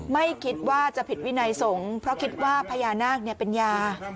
ไม่คิดว่าจะผิดวินัยสงฆ์เพราะคิดว่าพญานาคเป็นยา